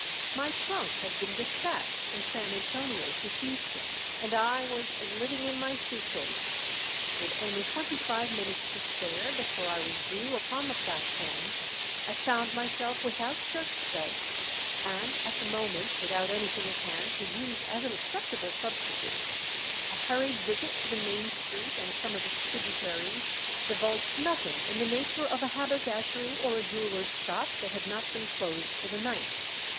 My trunk had been despatched from San Antonio to Houston, and I was "living in my suitcase." With only twenty five minutes to spare before I was due upon the platform, I found myself without shirt studs, and at the moment without anything at hand to use as an acceptable substitute. A hurried visit to the main street and some of its tributaries divulged nothing in the nature of a haberdashery or a jeweler's shop that had not been closed for the night.